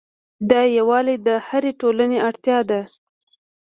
دا یووالی د هرې ټولنې اړتیا ده.